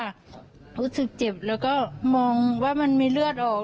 รู้สึกเจ็บแล้วก็มองว่ามันมีเลือดออก